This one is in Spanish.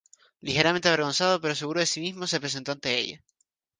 Ligeramente avergonzado pero seguro de sí mismo se presenta ante ella.